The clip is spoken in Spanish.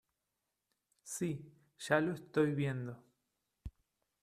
Si, ya lo estoy viendo.